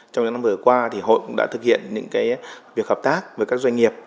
trong những năm vừa qua hội cũng đã thực hiện những việc hợp tác với các doanh nghiệp